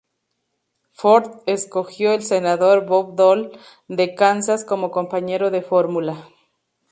Ford escogió al senador Bob Dole de Kansas como compañero de fórmula.